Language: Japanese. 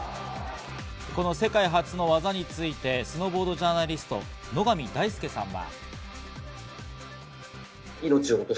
この世界初の技についてスノーボードジャーナリスト・野上大介さんは。